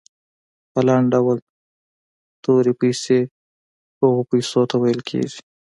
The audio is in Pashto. په لنډ ډول تورې پیسې هغو پیسو ته ویل کیږي.